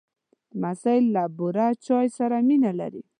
لمسی له بوره چای سره مینه لري.